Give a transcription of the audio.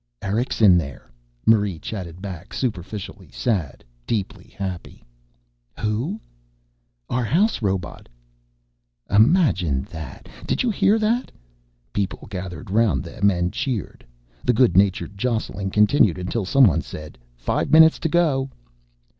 "Eric's in there," Marie chatted back, superficially sad, deeply happy. "Who?" "Our house robot." "Imagine that! Did you hear that?" People gathered round them and cheered. The good natured jostling continued until someone said: "Five minutes to go!"